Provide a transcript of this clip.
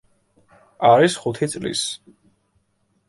არის ხუთი წლის.